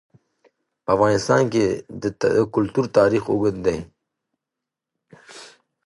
په افغانستان کې د کلتور تاریخ اوږد دی.